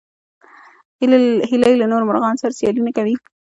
هیلۍ له نورو مرغانو سره سیالي نه کوي